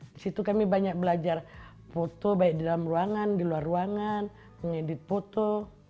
di situ kami banyak belajar foto baik di dalam ruangan di luar ruangan mengedit foto